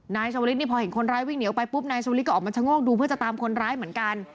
นายชาวลิศนี่พอเห็นคนร้ายวิ่งเหนียวไปปุ๊บนายชาวลิศก็ออกมาชะโงกดูเพื่อจะตามคนร้ายเหมือนกัน